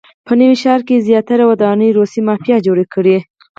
په نوي ښار کې زیاتره ودانۍ روسیې مافیا جوړې کړي.